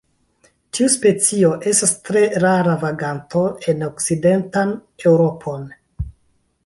Tiu specio estas tre rara vaganto en okcidentan Eŭropon.